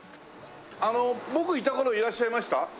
あの僕いた頃いらっしゃいました？